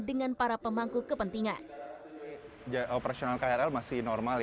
terima kasih terima kasih